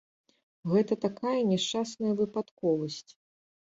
Гэта такая няшчасная выпадковасць.